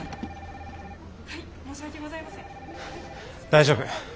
大丈夫。